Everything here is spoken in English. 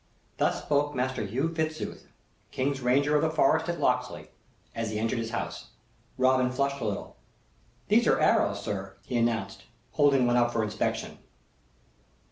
Thus spoke Master Hugh Fitzooth, King's Ranger of the Forest at Locksley, as he entered his house. Robin flushed a little. "These are arrows, sir," he announced, holding one up for inspection.